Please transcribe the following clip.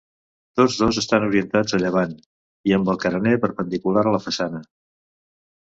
Tots dos estan orientats a llevant i amb el carener perpendicular a la façana.